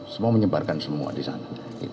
semua menyebarkan semua di sana